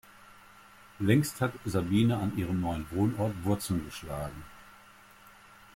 Längst hat Sabine an ihrem neuen Wohnort Wurzeln geschlagen.